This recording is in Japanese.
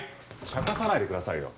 ちゃかさないでくださいよ。